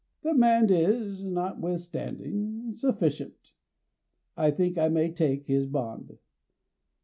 The man is, notwithstanding, sufficient. I think I may take his bond."